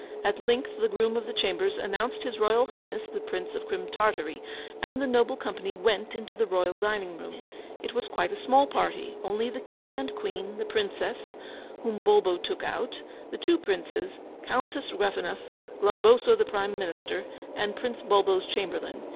At length the groom of the chambers announced his Royal Highness the Prince of Crim Tartary! and the noble company went into the royal dining room. It was quite a small party; only the King and Queen, the Princess, whom Bulbo took out, the two Princes, Countess Gruffanuff, Glumboso the Prime Minister and Prince Bulbo's Chamberlain.